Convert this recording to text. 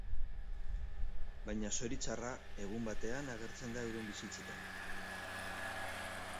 Baina zoritxarra egun batean agertzen da euren bizitzetan.